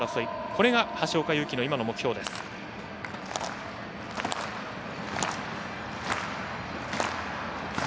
これが橋岡優輝の今の目標です。